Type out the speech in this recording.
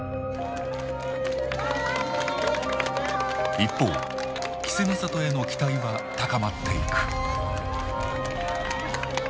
一方稀勢の里への期待は高まっていく。